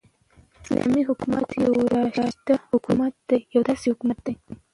ح : اسلامې حكومت يو راشده حكومت دى يو داسي حكومت دى